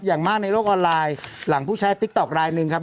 อย่างมากในโลกออนไลน์หลังผู้ใช้ติ๊กต๊อกลายหนึ่งครับ